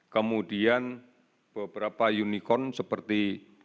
kemudian beberapa unicorn seperti